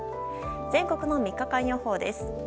全国の３日間予報です。